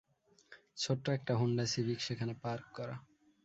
ছোট্ট একটা Honda Civic সেখানে পার্ক করা।